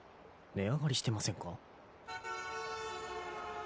値上がりしてませんか？